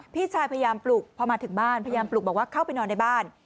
พี่ชายพยายามปลุกพอมาถึงบ้านพยายามปลุกบอกว่าเข้าไปนอนในบ้าน